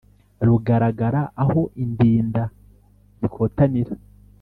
Rugaragara aho Indinda zikotanira,